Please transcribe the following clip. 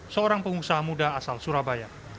seorang pengusaha muda asal surabaya